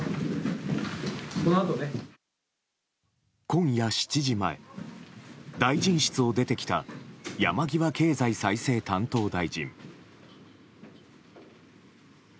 今夜７時前、大臣室を出てきた山際経済再生担当大臣。